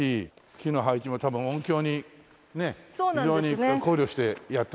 木の配置も多分音響にね非常に考慮してやってあるんだと思いますけども。